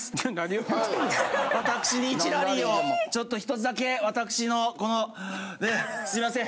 ちょっと１つだけわたくしのこのすいません。